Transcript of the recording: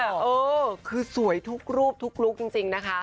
เออคือสวยทุกรูปทุกลุคจริงนะคะ